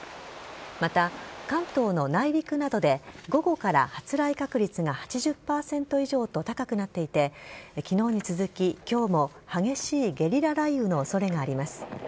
また、関東の内陸などで午後から発雷確率が８０％以上と高くなっていて昨日に続き今日も激しいゲリラ雷雨の恐れがあります。